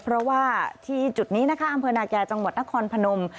เพราะว่าที่จุดนี้นะคะอำเภอนาแก่จังหวัดนครพนม